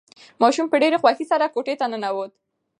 ماشوم په ډېرې خوښۍ سره کوټې ته ننوت.